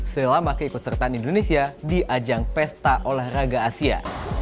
selama keikutsertaan indonesia di ajang pesta olahraga asia